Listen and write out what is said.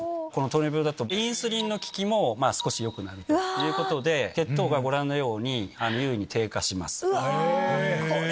糖尿病だと、インスリンの効きも、少しよくなるということで、血糖がご覧のように、優位に低下します。